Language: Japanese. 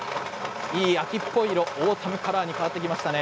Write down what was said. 秋っぽい色オータムカラーに変わりました。